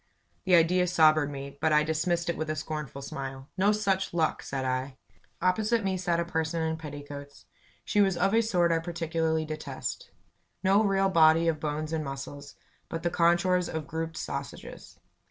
The idea sobered me, but I dismissed it with a scornful smile. "No such luck!" said I. Opposite me sat a person in petticoats. She was of a sort I particularly detest. No real body of bones and muscles, but the contours of grouped sausages.